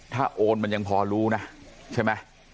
ถ้าโอนมันยังพอรู้นะใช่ไหม